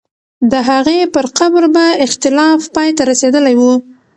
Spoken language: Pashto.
د هغې پر قبر به اختلاف پای ته رسېدلی وو.